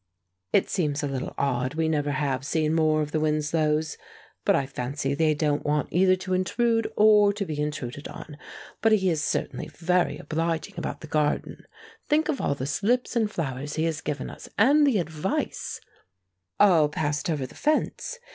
It seems a little odd we never have seen more of the Winslows, but I fancy they don't want either to intrude or to be intruded on. But he is certainly very obliging about the garden. Think of all the slips and flowers he has given us, and the advice " "All passed over the fence.